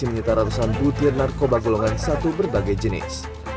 berikutnya narkoba golongan satu berbagai jenis